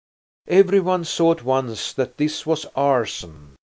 Everyone saw at once that this was arson.